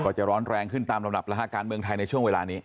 จะร้อนแรงขึ้นตามลำดับแล้วฮะการเมืองไทยในช่วงเวลานี้